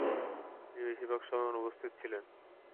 তিনি বেশিরভাগ সময় অনুপস্থিত ছিলেন।